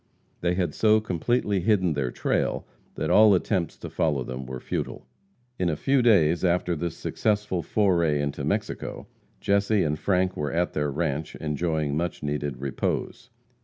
They had so completely hidden their trail that all attempts to follow them were futile. In a few days after this successful foray into Mexico, Jesse and Frank were at their ranche enjoying much needed repose.